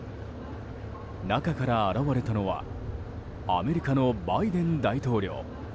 中から現れたのはアメリカのバイデン大統領。